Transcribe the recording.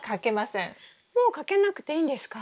もうかけなくていいんですか？